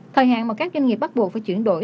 thời hạn mà các doanh nghiệp bắt buộc phải chuyển đổi